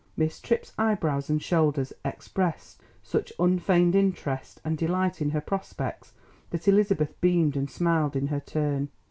Miss Tripp's eyebrows and shoulders expressed such unfeigned interest and delight in her prospects that Elizabeth beamed and smiled in her turn.